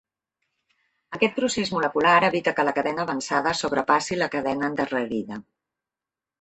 Aquest procés molecular evita que la cadena avançada sobrepassi la cadena endarrerida.